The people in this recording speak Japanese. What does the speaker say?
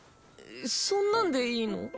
そんなんでいいの？